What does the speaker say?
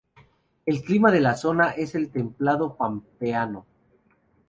El clima de la zona es el templado pampeano.